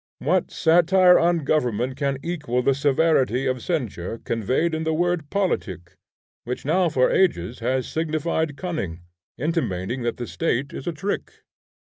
What satire on government can equal the severity of censure conveyed in the word politic, which now for ages has signified cunning, intimating that the State is a trick?